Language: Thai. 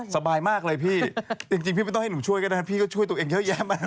สบายมากเลยพี่จริงพี่ไม่ต้องให้หนูช่วยก็ได้พี่ก็ช่วยตัวเองเยอะแยะมาก